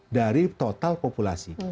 dari total populasi